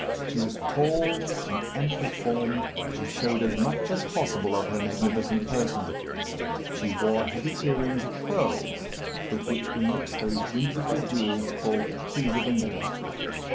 She was tall and amply formed, and showed as much as possible of her magnificent person. She wore heavy earrings of pearls, with which were mixed those whimsical jewels called "keys of England."